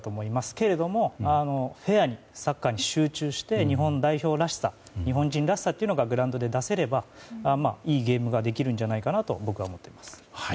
けれども、フェアにサッカーに集中して日本代表らしさ日本人らしさがグラウンドで出せればいいゲームができるんじゃないかと思います。